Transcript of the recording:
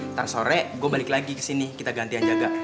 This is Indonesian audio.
ntar sore gue balik lagi kesini kita gantian jaga